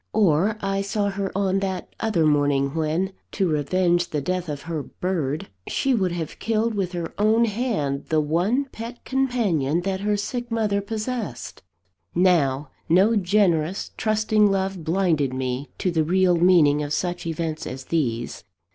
Or, I saw her on that other morning, when, to revenge the death of her bird, she would have killed with her own hand the one pet companion that her sick mother possessed. Now, no generous, trusting love blinded me to the real meaning of such events as these.